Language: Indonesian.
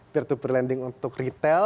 peer to peer lending untuk retail